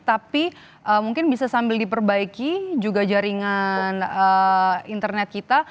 tapi mungkin bisa sambil diperbaiki juga jaringan internet kita